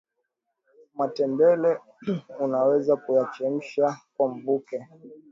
matembele unaweza ukayachemsha kwa mvuke